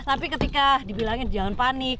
tapi ketika dibilangin jangan panik